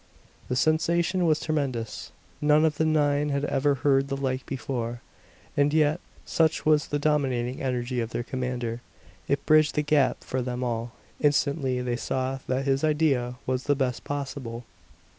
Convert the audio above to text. The sensation was tremendous. None of the nine had ever heard the like before. And yet, such was the dominating energy of their commander, it bridged the gap for them all; instantly they saw that his idea was the best possible.